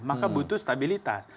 maka butuh stabilitas